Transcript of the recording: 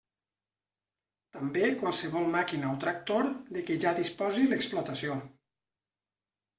També qualsevol màquina o tractor de què ja disposi l'explotació.